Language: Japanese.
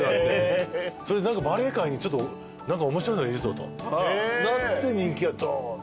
それで何かバレー界に面白いのがいるぞとなって人気がドーンって。